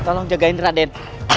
tolong jagain raden